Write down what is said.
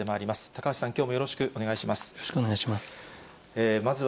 高橋さん、きょうもよろしくお願いします。